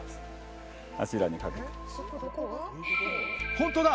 本当だ！